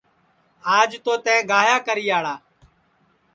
آج تو تیں گاھیا کریاڑا